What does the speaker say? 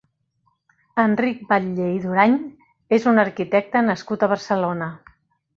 Enric Batlle i Durany és un arquitecte nascut a Barcelona.